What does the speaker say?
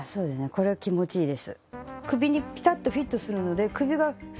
これは気持ちいいです。